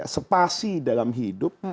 sepasi dalam hidup